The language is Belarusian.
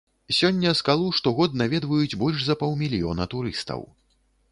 Сёння скалу штогод наведваюць больш за паўмільёна турыстаў.